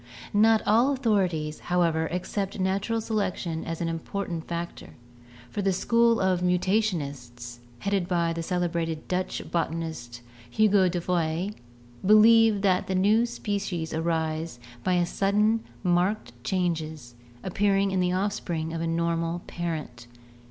Not all authorities, however, accept natural selection as an im portant factor, for the School of Mutationists, headed by the cele brated Dutch botanist, Hugo de Vries, believe that new species arise by sudden marked changes appearing in the offspring of a normal parent.